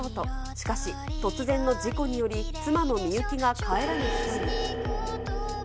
しかし、突然の事故により、妻の美雪が帰らぬ人に。